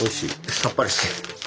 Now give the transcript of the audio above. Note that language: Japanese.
さっぱりして。